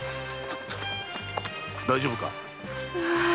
大丈夫か？